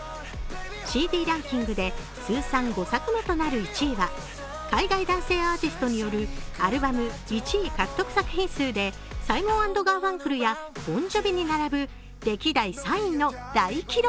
ＣＤランキングで通算５作目となる１位は、海外男性アーティストによるアルバム１位獲得作品数でサイモン＆ガーファンクルやボン・ジョヴィに並ぶ歴代３位の大記録。